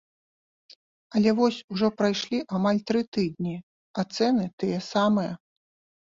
Але вось ужо прайшлі амаль тры тыдні, а цэны тыя самыя.